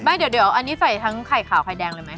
ไม่เดี๋ยวอันนี้ใส่ทั้งไข่ขาวไข่แดงเลยไหม